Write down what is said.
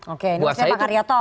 oke ini maksudnya pak karyato